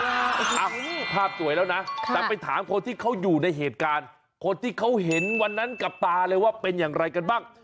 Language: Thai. ภาพสวยแล้วนะแต่ไปถามคนที่เขาอยู่ในเหตุการณ์คนที่เขาเห็นวันนั้นกับตาเลยว่าเป็นอย่างไรกันบ้าง